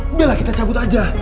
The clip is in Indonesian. udah lah kita cabut aja